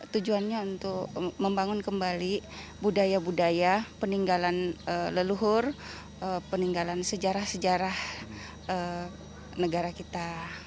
tujuannya untuk membangun kembali budaya budaya peninggalan leluhur peninggalan sejarah sejarah negara kita